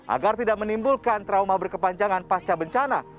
agar tidak menimbulkan trauma berkepanjangan pasca bencana